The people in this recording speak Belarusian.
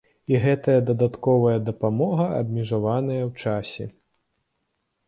І гэтая дадатковая дапамога абмежаваная ў часе.